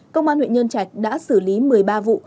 công an huyện nhân trạch đã xử lý một mươi ba vụ